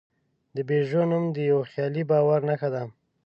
د پيژو نوم د یوه خیالي باور نښه ده.